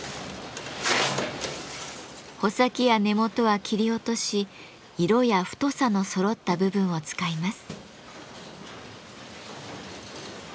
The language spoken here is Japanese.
穂先や根元は切り落とし色や太さのそろった部分を使います。